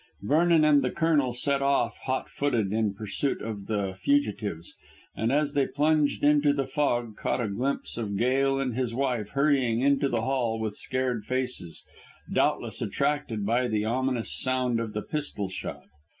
Vernon and the Colonel set off hot footed in pursuit of the fugitives, and as they plunged into the fog caught a glimpse of Gail and his wife hurrying into the hall with scared faces, doubtless attracted by the ominous sound of the pistol shot.